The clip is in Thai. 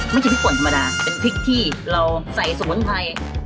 ชิ้นพริกป่นธรรมดาเป็นพริกที่เราใส่สมุนไพร